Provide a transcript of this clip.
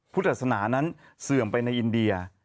พุทธศาสนานั้นเสื่อมไปในอินเดีย